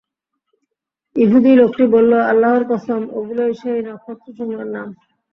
ইহুদী লোকটি বলল, আল্লাহর কসম, এগুলোই সেই নক্ষত্রসমূহের নাম।